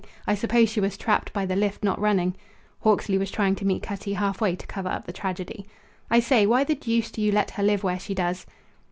I suppose she was trapped by the lift not running." Hawksley was trying to meet Cutty halfway to cover up the tragedy. "I say, why the deuce do you let her live where she does?"